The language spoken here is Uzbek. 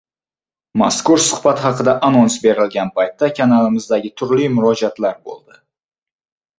Mazkur suhbat haqida anons berilgan paytda kanalimizga turli murojaatlar boʻldi.